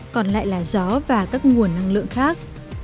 còn lại là gió và các nguồn năng lượng khác